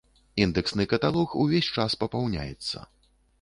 Індэксны каталог увесь час папаўняецца.